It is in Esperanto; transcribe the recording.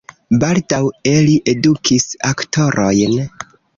Baldaŭe li edukis aktorojn.